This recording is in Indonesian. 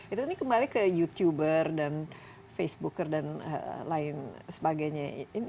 itu ini kembali ke youtuber dan facebooker dan lain sebagainya